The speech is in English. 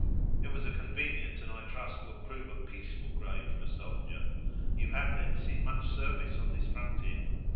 "It was a convenient, and, I trust, will prove a peaceful grave for a soldier. You have then seen much service on this frontier?"